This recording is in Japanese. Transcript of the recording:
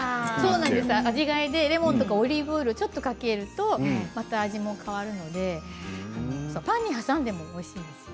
味替えでレモンとかオリーブオイルをちょっとかけるとまた味わいも変わるのでパンに挟んでもおいしいんですよね。